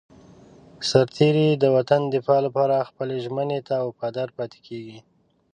سرتېری د وطن د دفاع لپاره خپلې ژمنې ته وفادار پاتې کېږي.